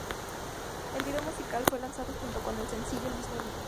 El video musical, fue lanzado junto con el sencillo el mismo día.